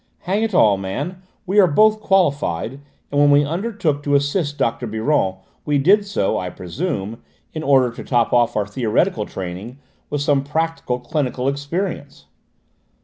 "Hang it all, man, we are both qualified, and when we undertook to assist Dr. Biron we did so, I presume, in order to top off our theoretical training with some practical clinical experience."